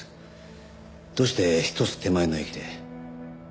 どうして１つ手前の駅で？